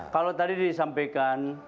kalau tadi disampaikan